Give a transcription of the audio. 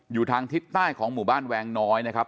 อยู่ทางทิศใต้ของหมู่บ้านแวงน้อยนะครับ